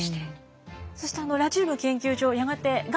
そしてラジウム研究所やがてなるほど。